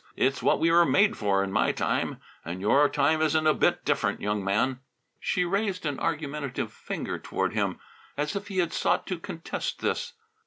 It's what we were made for in my time, and your time isn't a bit different, young man." She raised an argumentative finger toward him, as if he had sought to contest this.